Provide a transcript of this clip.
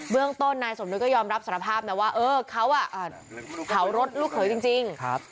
เรื่องต้นนายสมนึกก็ยอมรับสารภาพนะว่าเออเขาเผารถลูกเขยจริง